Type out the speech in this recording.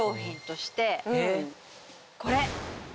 これ！